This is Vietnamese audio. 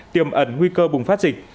tiềm ẩn nguy cơ bùng phát dịch